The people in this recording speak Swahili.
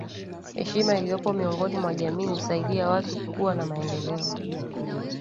Heshima iliyopo miongoni mwa jamii husaidia watu kuwa na maendeleo